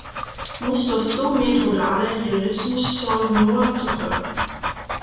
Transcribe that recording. Něšto stow metrow dale je rěčnišćo znowa suche.